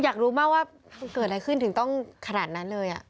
อยากรู้มากว่ามันเกิดอะไรขึ้นถึงต้องขนาดนั้นเลย